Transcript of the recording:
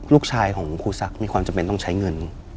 ลูกชายของครูศักดิ์มีความจำเป็นต้องใช้เงิน